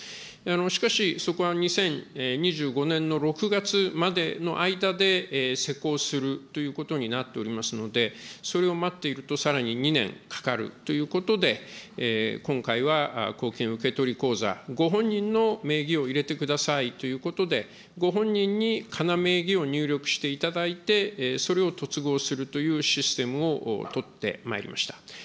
しかし、そこは２０２５年の６月までの間で施行するということになっておりますので、それを待っていると、さらに２年かかるということで、今回は公金受取口座、ご本人の名義を入れてくださいということで、ご本人にかな名義を入力していただいて、それを結合するというシステムを取ってまいりました。